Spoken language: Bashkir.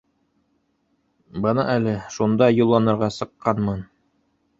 Бына әле шунда юлланырға сыҡҡанмын